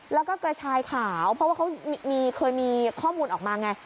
แล้วก็กระชายขาวเพราะว่าเขาเคยมีข้อมูลออกมาไง